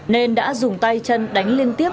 nên đã dùng tay chân đánh liên tiếp